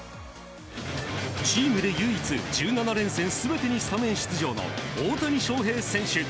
チームで唯一１７連戦全てにスタメン出場の大谷翔平選手。